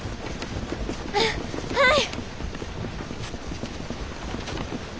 はい！